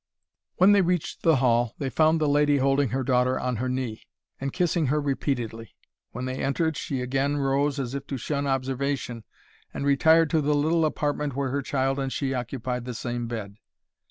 When they reached the hall, they found the lady holding her daughter on her knee, and kissing her repeatedly. When they entered, she again arose, as if to shun observation, and retired to the little apartment where her child and she occupied the same bed.